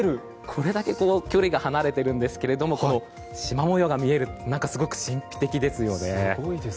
これだけ距離が離れてるんですけれどもしま模様が見える神秘的ですね。